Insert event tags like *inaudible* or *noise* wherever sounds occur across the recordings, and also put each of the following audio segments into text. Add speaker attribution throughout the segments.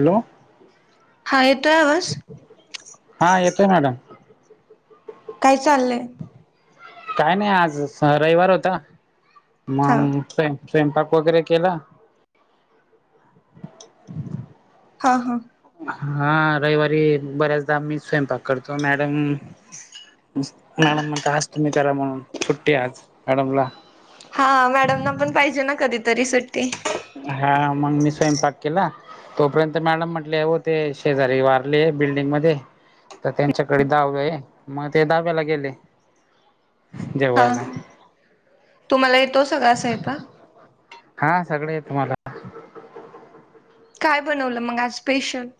Speaker 1: Hello
Speaker 2: हा येतोय आवाज
Speaker 1: हा येतोय मॅडम
Speaker 2: काय चालंय
Speaker 1: काय नाही आज रविवार होता
Speaker 2: हा
Speaker 1: मग स्वयंपाक वगैरे केला
Speaker 2: हा हा
Speaker 1: हा रविवारी बऱ्याचदा मीच स्वयंपाक करतो मॅडम मॅडम म्हणता आज तुम्ही करा म्हणून सुट्टी आज मॅडमला
Speaker 2: हा मॅडम ना पण पाहिजे ना कधीतरी सुट्टी
Speaker 1: हा मग मी स्वयंपाक केला तोपर्यंत मॅडम म्हटल्या हो ते शेजारी वारले बिल्डिंग मध्ये तर त्यांच्याकडे दहावे आहे मग ते दहाव्याला गेले
Speaker 2: हा
Speaker 1: जेवायला
Speaker 2: तुम्हाला येतो सगळा स्वयंपाक
Speaker 1: हा सगळ येत मला
Speaker 2: काय बनवलं मग आज स्पेशल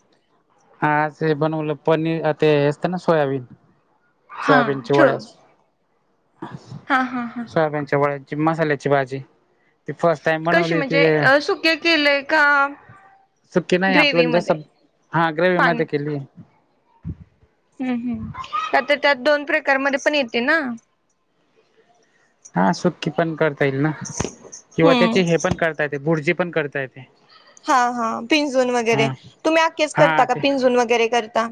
Speaker 1: हा अस अस बनवलं पनीर ते असतं ना सोयाबीन
Speaker 2: हा
Speaker 1: सोयाबीनची वड्या
Speaker 2: ठेव हा हा हा
Speaker 1: सोयाबीनच्या वड्या मसाल्याची भाजी ती फर्स्ट टाइम
Speaker 2: कशी
Speaker 1: बनवली ती
Speaker 2: म्हणजे सुके केलेय का
Speaker 1: सुखी नाही
Speaker 2: ग्रेवी
Speaker 1: आपण जास्त
Speaker 2: मध्ये
Speaker 1: हा ग्रेवी
Speaker 2: पाणी
Speaker 1: मध्ये केली होती
Speaker 2: हम्म हम् का तर त्यात दोन प्रकारमध्ये पण येते ना
Speaker 1: हा सुक्की पण करता येईल ना किंवा
Speaker 2: हम्म
Speaker 1: त्याचे हे पण करता येते बुर्जी पण करता येते.
Speaker 2: हा हा पिंजून
Speaker 1: हा
Speaker 2: वगैरे तुम्ही आखेच
Speaker 1: हा
Speaker 2: करता का
Speaker 1: ते
Speaker 2: पिंजून वगैरे करता?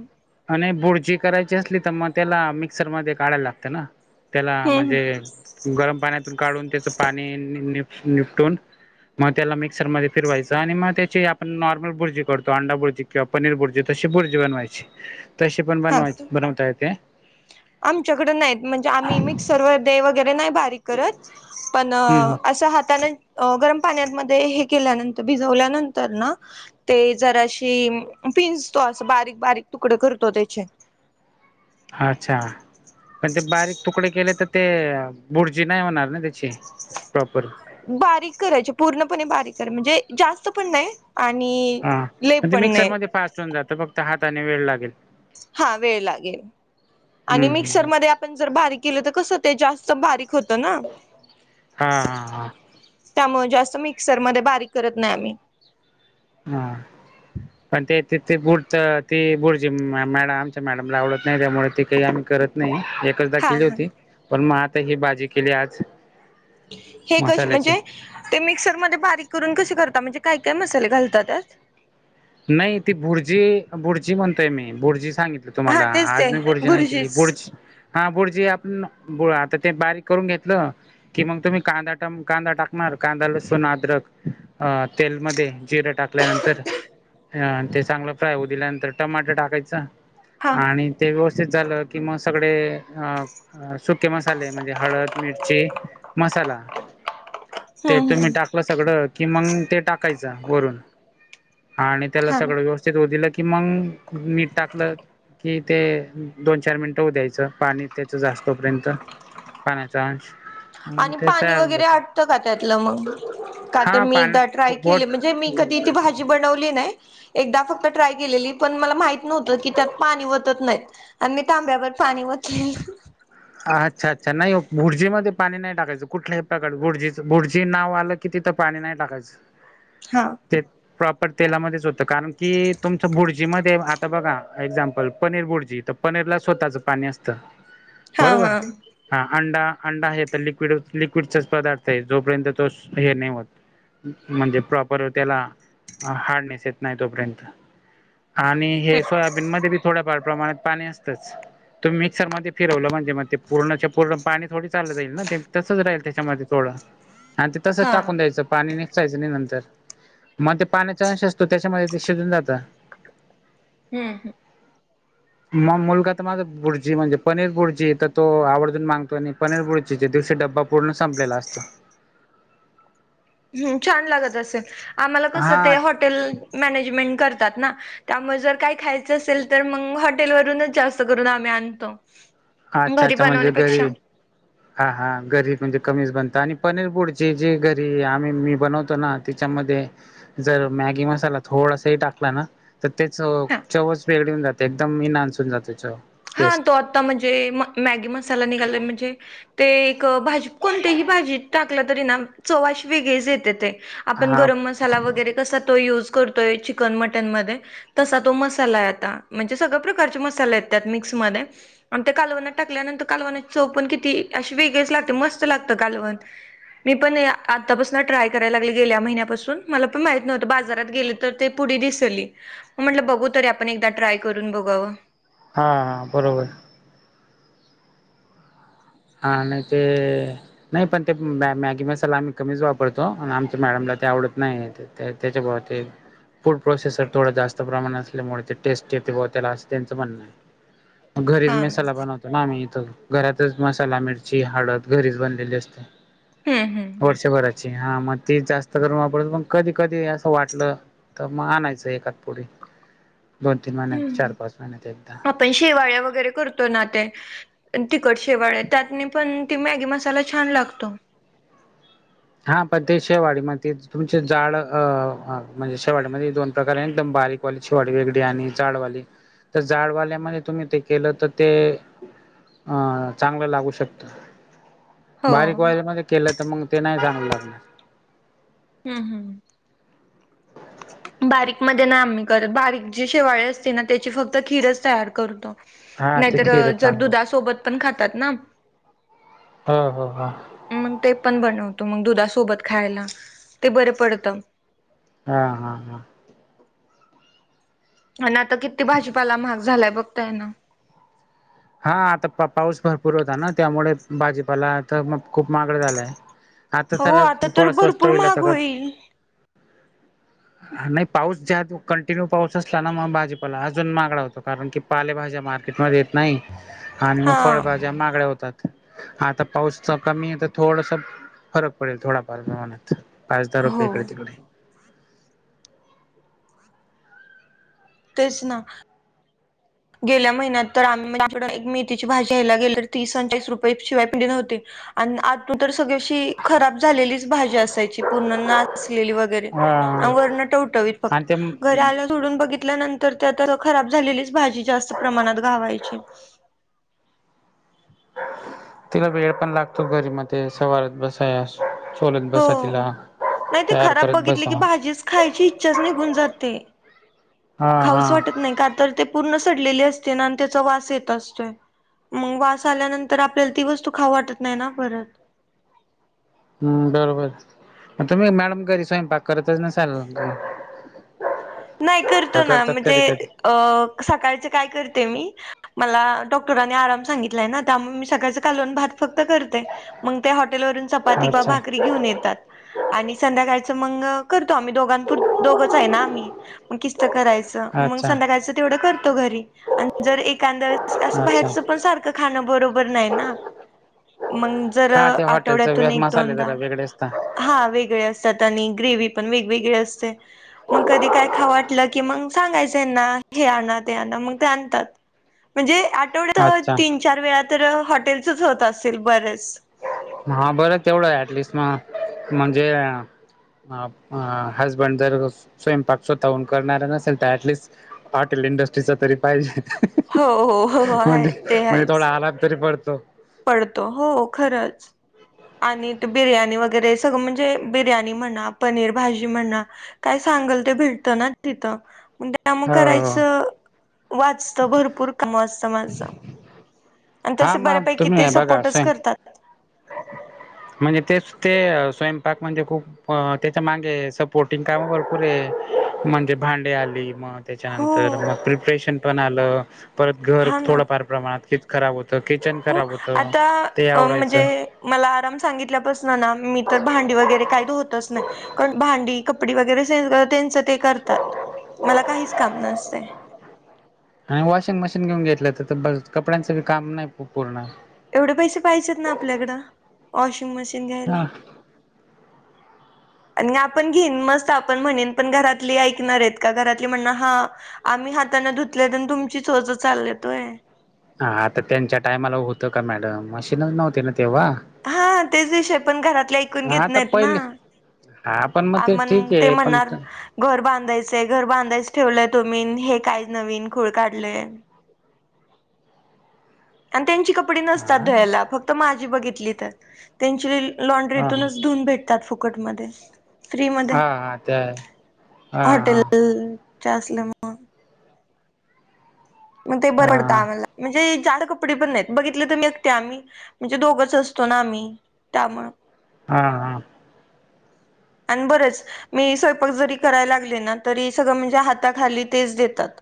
Speaker 1: आणि बुर्जी करायची असली तर मग त्याला मिक्सरमध्ये काढायला लागतं ना त्याला
Speaker 2: हम्म
Speaker 1: म्हणजे गरम पाण्यातून काढून त्याच पाणीप निपटून मग त्याला मिक्सरमध्ये फिरवायचं आणि मग त्याची आपण नॉर्मल भुर्जी करतो अंडा भुर्जी. किंवा पनीर बुर्जी तशी बुर्जी बनवायची तशी पण बनवायच् बनवता येते.
Speaker 2: आमच्याकड नाहीत म्हणजे आम्ही मिक्सर वर ते वगैरे नाही बारीक करत पण
Speaker 1: हम्म
Speaker 2: असं हातान अ गरम पाण्यामध्ये हे केल्यानंतर भिजवल्यानंतर ना ते जराशी पिंजतो अस बारीक बारीक तुकडे करतो त्याचे.
Speaker 1: अच्छा पण ते बारीक तुकडे केले तर ते बुर्जी नाही होणार ना त्या ची प्रॉपर.
Speaker 2: बारीक करायची पूर्णपणे बारीक कराय म्हणजे जास्त पण नाही. आणि लई पण नाही.
Speaker 1: हून जातं फक्त हाताने वेळ लागेल.
Speaker 2: हा वेळ लागेल आणि
Speaker 1: हम्म हम्म
Speaker 2: मिक्सरमध्ये आप पण जर बारीक केलं तर कस ते जास्त बारीक होत ना!
Speaker 1: हा हा
Speaker 2: त्यामुळे जास्त मिक्सरमध्ये बारीक करत नाही आम्ही.
Speaker 1: हा. पण ते त ती बुडच ती भुर्जी मॅड आमच्या मॅडमला आवडत नाही त्यामुळे ती काही आम्ही करत नाही एकचदा
Speaker 2: हा
Speaker 1: केली
Speaker 2: हा
Speaker 1: होती पण मग आता ही भाजी केली आज.
Speaker 2: हे कश्
Speaker 1: मसाल्याची
Speaker 2: म्हणजे ते मिक्सरमध्ये बारीक करून कसे करता म्हणजे काय काय मसाले घालता त्यात?
Speaker 1: नाही ती भुर्जी भुर्जी म्हणतोय मी भुर्जी सांगितली
Speaker 2: हा
Speaker 1: तुम्हाला
Speaker 2: तेच
Speaker 1: आज
Speaker 2: ते
Speaker 1: मी भुर्जी नाही केली
Speaker 2: भुर्जीच
Speaker 1: बुर्ज हा भुर्जी आपण बु आता ते बारीक करून घेतलं कि मग तुम्ही कांदा टम् कांदा टाकणार कांदा, लसून, अद्रक. अ तेलमध्ये जिरं टाकल्यानंतर. अ ते चांगलं फ्राय होऊ दिल्यानंतर टमाट टाकायचं
Speaker 2: हा
Speaker 1: आणि ते व्यवस्थित झालं कि म सगळे अ अ सुके मसाले म्हणजे हळद, मिरची, मसाला ते
Speaker 2: हम्म
Speaker 1: तुम्ही
Speaker 2: हम्म
Speaker 1: टाकलं सगळं कि मग ते टाकायचं वरून. हा आणि त्याला
Speaker 2: छान
Speaker 1: सगळं व्यवस्थित होऊ दिलं की मग मीट टाकलं कि ते दोन चार मिनटं होऊ द्यायचं पाणी त्याचं जास्तोपर्यंत. पाण्याचास्
Speaker 2: आणि पाणी वगैरे आटतं का त्यातलं मग? का तर
Speaker 1: हा
Speaker 2: मी एकदा ट्राय
Speaker 1: पाण्या बोट
Speaker 2: केले म्हणजे मी कधी ती भाजी बनवली नाही. एकदा फक्त ट्राय केलेली पण मला माहित नव्हतं की त्यात पाणी वतत नाहीत. आणि मी तांब्यावर पाणी वतलेलं.
Speaker 1: हा अच्छा अच्छा नाही भुर्जीमध्ये पाणी नाही टाकायचं कुठल्याही प्रकार भुर्जीचं भुर्जी नाव आलं कि तीथं पाणी नाही टाकायचं.
Speaker 2: हा.
Speaker 1: ते प्रॉपर तेलामध्येच होतं कारण की तुमचं भुर्जीमध्ये आता बघा एक्झाम्पल पनीर भुर्जी तर पनीरला स्वतःच पाणी असत
Speaker 2: हा
Speaker 1: बरोबर?
Speaker 2: हा
Speaker 1: हा अंडा अंडा हे तर लिक्विड लिक्विडचाच पदार्थ आहे जोपर्यंत तो हे नाही होत म्हणजे प्रॉपर त्याला हार्डनेस येत नाही तोपर्यंत. आणि हे सोयाबीन मध्ये बी थोड्याफार प्रमाणात पाणी असतंच. तुम् मिक्सरध्ये फिरलं म्हण ते मग ते पूर्णच्या पूर्ण पाणी थोडी चाललं जाईल ना ते तसच राहील त्याच्यामध्ये थोडं. हा, ते तसंच टाकून द्यायचं पाणी नी. चायचणी नंतर मग ते पाण्याचा अंश असतो, त्याच्यामध्ये ते शिजून जातं.
Speaker 2: हम्म हम्.
Speaker 1: मग मुलगा तर माझा, बुर्जी म्हणजे पनीर बुर्जी तर तो आवर्जून मांगतो आणि पनीर बुर्चीचे दिवशी, डब्बा पूर्ण संपलेला असतो.
Speaker 2: ह्ं छान लागत असेल, आम्हाला कसं
Speaker 1: हा
Speaker 2: ते हॉटेल मॅनेजमेंट करतात ना त्यामुळे जर काही खायचं असेल तर मंग, हॉटेलवरूनच जास्त करून आम्ही आणतो.
Speaker 1: अच्छा
Speaker 2: घरी
Speaker 1: अच्छा म्हणजे घरी
Speaker 2: बनवण्यापेक्षा
Speaker 1: हा हा, घरी म्हणजे कमीच बनतं आणि पनीर बुर्ची जी घरी आम्ही मी बनवतो ना तिच्यामध्ये जर मॅगी मसाला थोडासाही टाकला ना तर तेचं
Speaker 2: हा
Speaker 1: चवच वेगळी होवून जाते, एकदम नानसून जाते चव.
Speaker 2: हा, तो
Speaker 1: टेस्ट
Speaker 2: आता म्हणजे म मॅगी मसाला निघाला म्हणजे ते एक भाजीत कोणत्याही भाजीत टाकला तरी ना, चव अशी वेगळीच येते ते.
Speaker 1: हा
Speaker 2: आपण
Speaker 1: हा
Speaker 2: गरम मसाला वगैरे कसा तो यूज करतोय, चिकन मटण मधे तसा तो मसाला आहे आता म्हणजे सगळ्या प्रकारचे मसाले आहेत, त्यात मिक्समध्ये. आणि त्या कालवनात टाकल्यानंतर कालवनाची चव पण किती अशी वेगळेच लागते, मस्त लागत कालवण. मी पण आतापासनं ट्राय करायला लागली गेल्या महिन्यापासून, मला पण माहित नव्हतं बाजारात गेले तर ते पुढी दिसली. मग म्हटलं बघू तरी, आपण एकदा ट्राय करून बघावं.
Speaker 1: हा हा, बरोबर. हा आणि ते नाही पण ते मॅ मॅगी मसाला आम्ही कमीच वापरतो, अन आमच्या मॅडमला ते आवडत नाही, नाहीतर. त्या त्याच्या भावात एक फूड प्रोसेसर थोडं जास्त प्रमाण असल्यामुळे ते टेस्ट येते बुआ तेला असं त्यांचं म्हणणं आहे. घरीच
Speaker 2: हा ना
Speaker 1: मिसाला बनवतो ना आम्ही इथं. घरातच मसाला, मिरची, हळद घरीच बनलेली असते.
Speaker 2: हम् हम्.
Speaker 1: वर्षभराची, हा. मग ती जास्त करून वापरतो, पण कधी कधी असं वाटलं तर मग आणायचं एखाद पुढी. दोन तीन महिन्यात, चार पाच महिन्यात एकदा.
Speaker 2: पण शेवाळ्या वगैरे करतो ना, ते अन तिखट शेवाळ्या, त्यातनी पण ती मॅगी मसाला छान लागतो.
Speaker 1: हा पण ते शेवाळी मध्ये तुमचे जाड अ म्हणजे शेवाळीमध्ये दोन प्रकार आहे एकदम बारीक. पॉलीश वाडी वेगळी आणि जाडवाली, तर जाडवाल्यामध्ये तुम्ही ते केलं तर ते अ चांगलं लागू शकतं.
Speaker 2: हो
Speaker 1: बारीक वाली
Speaker 2: हम्म
Speaker 1: मध्ये केलं, तर मग ते नाही चांगल लागणार.
Speaker 2: हम्.. हम्म. बारीकमध्ये नाही आम्ही करत. बारीक जी शेवाळे असते ना, त्याची फक्त खीरच तयार करतो.
Speaker 1: हा ते
Speaker 2: नाहीतर
Speaker 1: खीरच
Speaker 2: जर
Speaker 1: चांगलं
Speaker 2: दुधासोबत पण खातात ना.
Speaker 1: ह.. ह.. हा.
Speaker 2: मग ते पण बनवतो, मग दुधासोबत खायला. ते बरं पडतं.
Speaker 1: हा.. हा.. हा.
Speaker 2: आणि आता किती भाजीपाला महाग झालाय. बघताय ना.
Speaker 1: हा आता पा पाऊस भरपूर होता ना, त्यामुळे भाजीपाला आ तर म खूप महागडा झालाय. आता
Speaker 2: हो
Speaker 1: जरा
Speaker 2: तर
Speaker 1: थोडा स्वस्त
Speaker 2: भरपूर
Speaker 1: होईल
Speaker 2: महाग
Speaker 1: आता.
Speaker 2: होईल
Speaker 1: नाही पाऊस ज्या कंटिन्यू पाऊस असला ना, मग भाजीपाला अजून मागड होतो. कारण की पालेभाज्या मार्केटमध्ये येत नाही. आणि मग
Speaker 2: हा
Speaker 1: फळभाज्या महागड्या होतात. आता पाऊसच कमी आहे तर थोडसं फरक पडेल थोडाफार मनात पाचदार रुपये
Speaker 2: हो
Speaker 1: इकडे तिकडे.
Speaker 2: तेच ना. गेल्या महिन्यात तर आम्हीे *unintelligible* मेथीची भाजी घ्यायला गेले तर तीस अणचाळीस रुपये शिवाय पिंडी नव्हती. आणि आतून तर सगळशी खराब झालेलीच भाजी असायची पूर्ण नाचलेली वगैरे. आणि
Speaker 1: हा
Speaker 2: वरणट उठवत
Speaker 1: आणि
Speaker 2: फक्त घर
Speaker 1: ते
Speaker 2: आलं तोडून बघितल्यानंतर ते आता खराब झालेलीच भाजी जास्त प्रमाणात घावायची.
Speaker 1: तिला वेळ पण लागतो घरी मध्ये सवारात बसाय अस
Speaker 2: हो नाही ते
Speaker 1: तयार
Speaker 2: खराब
Speaker 1: करत
Speaker 2: बघितली
Speaker 1: बसा
Speaker 2: की
Speaker 1: हा
Speaker 2: भाजीच खायची इच्छाच निघून जाते.
Speaker 1: हा
Speaker 2: खाऊच वाटत नाही का तर ते पूर्ण सडलेली असते ना आणि त्याचा वास येत असतोय. मग वास आल्यानंतर आपल्याला ती वस्तू खाऊ वाटत नाही ना परत.
Speaker 1: हम्म बरोबर. मग तुम्ही मॅडम कधी स्वयंपाक करतच नसाल घरी.
Speaker 2: नाही करतो ना म्हणजे अ सकाळचे काय करते मी मला डॉक्टरांनी आराम सांगितलाय ना त्यामुळे मी सकाळच कालून भात फक्त करते. मंग ते हॉटेलवरून चपाती किंवा
Speaker 1: अच्छा
Speaker 2: भाकरी घेऊन येतात आणि संध्याकाळचं मग करतो आम्ही दोघांपूर दोघच आहे ना आम्ही. मग किस्त करायच मग
Speaker 1: अच्छा
Speaker 2: संध्याकाच तेवढं करतो घरी आणि जर एखादया असं
Speaker 1: अच्छा
Speaker 2: बाहेरचं पण सारखं खाणं बरोबर नाही ना मंग जर
Speaker 1: हा ते
Speaker 2: आठवड्यातून
Speaker 1: हॉटेलच
Speaker 2: एक
Speaker 1: मसाले
Speaker 2: दोनदा
Speaker 1: जरा वेगळे असता
Speaker 2: हा वेगळे असतात आणि ग्रेवही पण वेगवेगळे असते मग कधी काय खा वाटलं की मग सांगायचं ह्यांना हे आणा ते आण मग ते आणतात. म्हणजे आठवड्यात
Speaker 1: अच्छा
Speaker 2: तीन चार वेळा तर हॉटेलच होत असेल बरच.
Speaker 1: हा बरं तेवढं आहे ऍटलिस्ट मग म्हणजे हसबंड जर स्वयंपाक स्वतःहन करणार नसेल तर ऍटलिस्ट हॉटेल इंडस्ट्रीचा तरी पाहिजे.
Speaker 2: हो हो हो हो
Speaker 1: म्हणजे
Speaker 2: आहे ते
Speaker 1: म्हणजे थोडा
Speaker 2: आहेच
Speaker 1: आलाप तरी पडतो.
Speaker 2: पडतो हो खरंच. आणि ते बिर्याणी वगैरे सगळं म्हणजे बिर्याणी म्हणा पनीर भाजी म्हणा. काय सांगल ते भेटत ना तिथं मगं त्या मग
Speaker 1: हो
Speaker 2: करायच च वाचत भरपूर का वाचत माझ आणि तस
Speaker 1: हा मग
Speaker 2: बऱ्यापैकी
Speaker 1: तुम्ही बघा स्वयं
Speaker 2: तात.
Speaker 1: म्हणजे तेच ते स्वयंपाक म्हणजे खूप त्याच्या मागे सपोर्टिंग काम भरपूरे म्हणजे भांडे आली मग त्याच्यानंतर
Speaker 2: हो
Speaker 1: मग प्रिप्रेशन पण आलं परत घर
Speaker 2: हा ना
Speaker 1: थोडंफार प्रमाणात किच खराब होत किचन
Speaker 2: हो
Speaker 1: खराब होतं
Speaker 2: आता
Speaker 1: ते
Speaker 2: अ, म्हणजे
Speaker 1: आवरायचं.
Speaker 2: मला आराम सांगितल्यापासन ना मी तर भांडी वगैरे काही धुतच नाही. पण भांडी कपडी वगैरे सगळे त्यांच ते करतात मला काहीच काम नसतं.
Speaker 1: आणि वॉशिंग मशीन घेऊन घेतलं तर तर कपड्यांच काम नाही पूर्ण
Speaker 2: एवढे पैसे पाहिजेत ना आपल्याकडं वॉशिंग मशीन
Speaker 1: हा
Speaker 2: घ्यायला. आणि आपण घेईन मस्त आपण म्हणेन पण घरातली ऐकणार आहेत का घरातली म्हणार हा आम्ही हाताना धुतले तुमची सोच चालेत तोय.
Speaker 1: हा आता त्यांच्या टायमाला होतं का मॅडम मशीनच नव्हती ना तेव्हा.
Speaker 2: हा तेच विषय पण घरातले ऐकून
Speaker 1: हा
Speaker 2: घेत
Speaker 1: आता
Speaker 2: नाहीत ना.
Speaker 1: पहिले हा पण मग
Speaker 2: आ
Speaker 1: ते
Speaker 2: मण
Speaker 1: ठीक
Speaker 2: ते
Speaker 1: आहे पण
Speaker 2: म्हणणार घर बांधायचंय. घर बांधायच ठेवलंय तुम्हीन, हे काय नवीन खूळ काढले. आणि त्यांची कपडे नसतात
Speaker 1: हा
Speaker 2: धयाला. फक्त माझी बघितली तर, त्यांची
Speaker 1: हा
Speaker 2: लॉ्ड्रीतूनच धुून भेटतात फुकटमध्ये. फ्री मध्ये.
Speaker 1: हा हा ते आहे हा हा
Speaker 2: हॉटेलच्या असल्या मुळ. मग ते बरडत
Speaker 1: हा
Speaker 2: आम्हाला. म्हणजे जाड कपडे पण नाहीत. बघितले त मी एकते आम्ही म्हणजे दोघच असतो ना आम्ही. त्यामुंळ.
Speaker 1: हा हा.
Speaker 2: आण बरंच, मी स्वयंपाक जरी करायला लागले ना, तरी सगळं म्हणजे हाताखाली तेच देतात.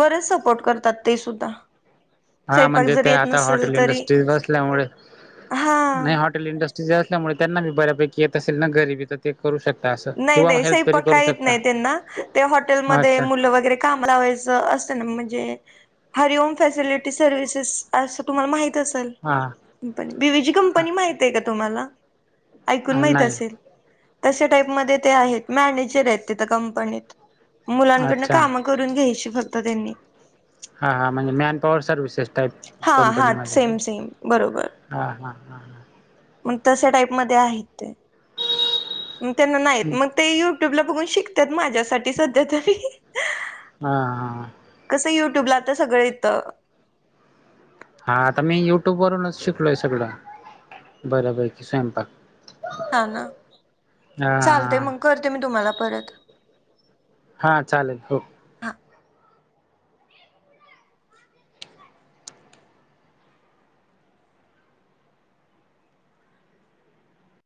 Speaker 2: बरेच सपोर्ट करतात ते सुद्धा.
Speaker 1: हा
Speaker 2: स्वयंपाक
Speaker 1: म्हणजे ते
Speaker 2: जरी येत
Speaker 1: आता
Speaker 2: नसेल
Speaker 1: हॉटेल
Speaker 2: तरी
Speaker 1: इंडस्ट्री बसल्यामुळे,
Speaker 2: हा
Speaker 1: नाही हॉट हॉटेल इंडस्ट्रीज असल्यामुळे त्यांनाी बऱ्यापैकी येत असेल ना. घरीबी ते करू शकता अस.
Speaker 2: नाही नाही, स्वयंपाक काय येत नाही त्यांना. ते हॉटेलमध्ये
Speaker 1: अच्छा
Speaker 2: मुलं वगैरे काम लावायच असत ना, म्हणजे हरी ओम फसिलिटी सर्वसेस असं तुम्हाला माहित असेल
Speaker 1: हा
Speaker 2: company. B V G company माहिते का तुम्हाला? ऐकून माहित
Speaker 1: नाही
Speaker 2: असेल. तशा टाईप मध्ये ते आहेत. मॅनेजरत तिथ कंपनीत. मुलांकडनं
Speaker 1: अच्छा
Speaker 2: कामं करून घ्यायची फक्त त्यांनी.
Speaker 1: हा हा, म्हणजे मॅन पॉवर सर्वि्हसेस टाईप
Speaker 2: हा हा
Speaker 1: कंपनीमध्ये.
Speaker 2: सेम सेम बरोबर
Speaker 1: हां हां हां हां.
Speaker 2: मग तशा टाईपमध्ये आहेत ते. मग त्यांना नाय येत.
Speaker 1: हा
Speaker 2: मग ते युट्यूब ला बघून शिकतात. माझ्यासाठी सध्या तरी.
Speaker 1: हा हा.
Speaker 2: कसं युट्यूबला आता सगळं येत.
Speaker 1: हा आता मी युट्यूब वरूनच शिकलोय सगळं. बऱपैकी स्वयंपाक.
Speaker 2: हा ना,
Speaker 1: हा
Speaker 2: चालतेय मग, करते मी तुम्हाला परत.
Speaker 1: हा चालेल. हो.
Speaker 2: हा